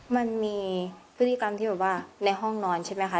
มันมีพฤติกรรมที่แบบว่าในห้องนอนใช่ไหมคะ